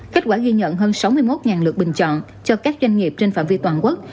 kết quả ghi nhận hơn sáu mươi một lượt bình chọn cho các doanh nghiệp trên phạm vi toàn quốc